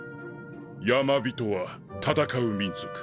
ヤマビトは戦う民族。